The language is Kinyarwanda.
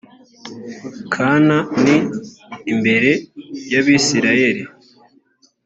kan ni imbere y abisirayeli